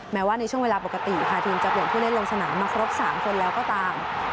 แม้ว่าในช่วงเวลาปกติค่ะทีมจะเปลี่ยนผู้เล่นลงสนามมาครบ๓คนแล้วก็ตาม